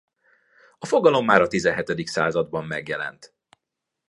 A fogalom már a tizenhetedik században megjelent.